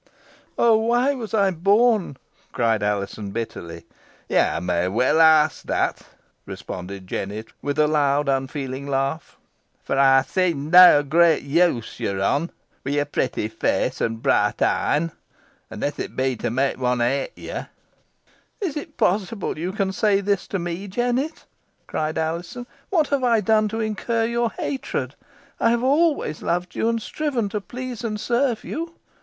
"Oh! why was I born?" cried Alizon, bitterly. "Yo may weel ask that," responded Jennet, with a loud unfeeling laugh; "fo ey see neaw great use yo're on, wi' yer protty feace an bright een, onless it be to may one hate ye." "Is it possible you can say this to me, Jennet?" cried Alizon. "What have I done to incur your hatred? I have ever loved you, and striven to please and serve you.